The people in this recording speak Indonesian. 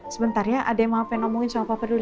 sebentar ya ada yang mau omongin sama papa dulu